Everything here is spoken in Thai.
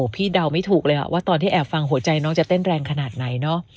เดาไม่ถูกเลยว่าตอนที่แอบฟังหัวใจน้องจะเต้นแรงขนาดไหนเนาะ